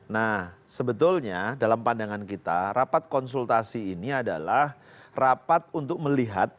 nah sebetulnya dalam pandangan kita rapat konsultasi ini adalah rapat untuk melihat